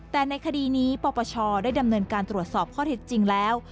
แต่ในคดีนี้ปปชได้ดำเนินการตรวจสอบข้อเท็จจริงแล้ว